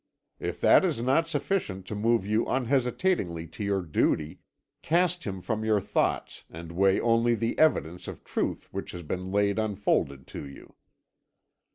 If that is not sufficient to move you unhesitatingly to your duty, cast him from your thoughts and weigh only the evidence of truth which has been laid unfolded to you.